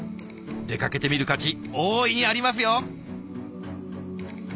出掛けてみる価値大いにありますよ！